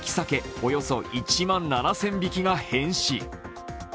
およそ１万７０００匹が変死。